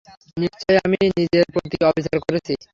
নিশ্চয় আমি নিজের প্রতি অবিচার করেছি।